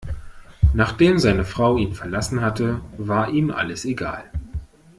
Nachdem seine Frau ihn verlassen hatte, war ihm alles egal.